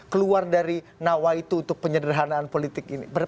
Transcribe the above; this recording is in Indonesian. keluar dari nawaitu untuk penyederhanaan politik ini